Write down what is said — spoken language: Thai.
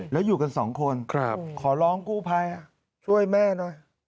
แล้วอยู่กันสองคนขอร้องกู้ภัยช่วยแม่หน่อย